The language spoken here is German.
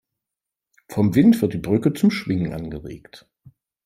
Vom Wind wird die Brücke zum Schwingen angeregt.